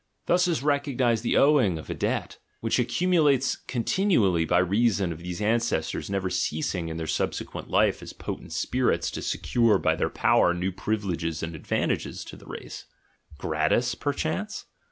Thus is recognized the o\ fa debt, which accumulates continually by reason of these an cestors never ceasing in their subsequent life as potent spirits to secure by their power new privileges and advan tages to the race. Gratis, perchance?